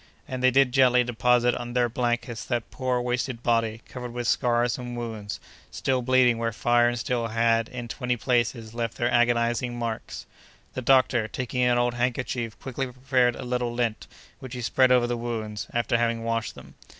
And they did gently deposit on their blankets that poor, wasted body, covered with scars and wounds, still bleeding where fire and steel had, in twenty places, left their agonizing marks. The doctor, taking an old handkerchief, quickly prepared a little lint, which he spread over the wounds, after having washed them.